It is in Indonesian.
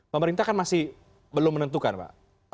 pemerintah kan masih belum menentukan pak